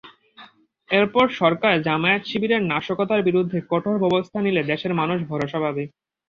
এরপর সরকার জামায়াত-শিবিরের নাশকতার বিরুদ্ধে কঠোর ব্যবস্থা নিলে দেশের মানুষ ভরসা পাবে।